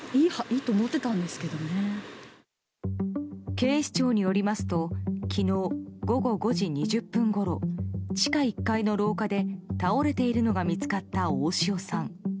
警視庁によりますと昨日午後５時２０分ごろ地下１階の廊下で倒れているのが見つかった大塩さん。